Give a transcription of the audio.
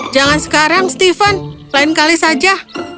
jangan sekarang steven lain kali saja